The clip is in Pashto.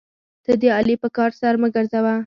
ته د علي په کار سر مه ګرځوه.